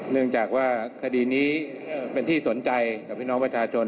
เนื่องจากว่าคดีนี้เป็นที่สนใจกับพี่น้องประชาชน